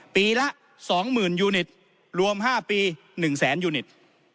ปีละสองหมื่นยูนิตรรวมห้าปีหนึ่งแสนยูนิตร